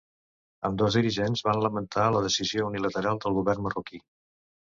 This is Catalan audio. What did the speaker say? Ambdós dirigents van lamentar la ‘decisió unilateral’ del govern marroquí.